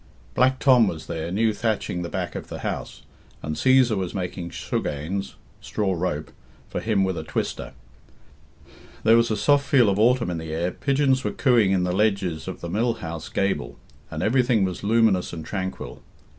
Black Tom was there, new thatching the back of the house, and Cæsar was making sugganes (straw rope) for him with a twister. There was a soft feel of autumn in the air, pigeons were cooing in the ledges of the mill house gable, and everything was luminous and tranquil.